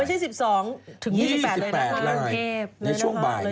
ไม่ใช่๑๒ถึง๒๘รายในช่วงบ่าย